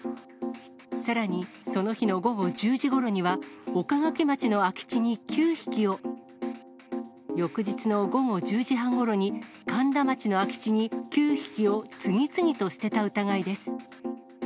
さらにその日の午後１０時ごろには、岡垣町の空き地に９匹を、翌日の午後１０時半ごろに、苅田町の空き地に９匹を次々と捨てた疑いです。